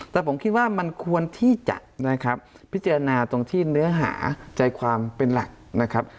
แต่ผมคิดว่ามันควรที่จะนะครับพิจารณาตรงที่เนื้อหาใจความเป็นหลักนะครับ